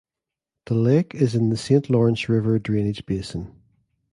The lake is in the Saint Lawrence River drainage basin.